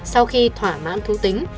sau khi thỏa mãn thú tính